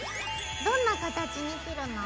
どんな形に切るの？